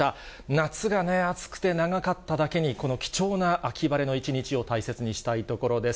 夏がね、暑くて長かっただけに、この貴重な秋晴れの一日を大切にしたいところです。